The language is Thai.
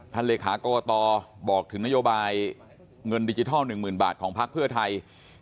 เลขากรกตบอกถึงนโยบายเงินดิจิทัล๑๐๐๐บาทของพักเพื่อไทย